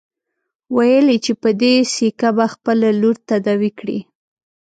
ويل يې چې په دې سيکه به خپله لور تداوي کړي.